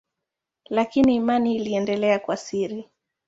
Lakini imani iliendelea kwa siri.